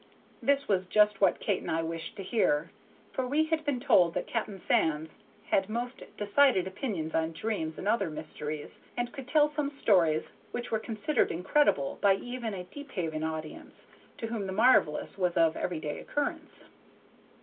This was just what Kate and I wished to hear, for we had been told that Captain Sands had most decided opinions on dreams and other mysteries, and could tell some stories which were considered incredible by even a Deephaven audience, to whom the marvellous was of every day occurrence.